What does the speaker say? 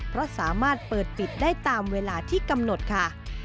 เพราะสามารถเปิดปิดได้ตามเวลาที่กำหนดค่ะ